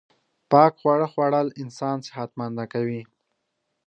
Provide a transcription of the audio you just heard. پاک خواړه خوړل انسان صحت منده کوی